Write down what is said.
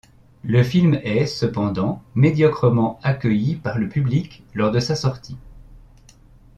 Le film est, cependant, médiocrement accueilli par le public lors de sa sortie.